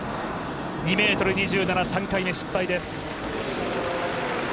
２ｍ２７、３回目失敗です。